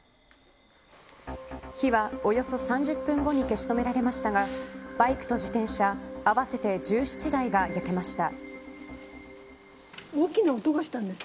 火は、およそ３０分後に消し止められましたがバイクと自転車合わせて１７台が焼けました。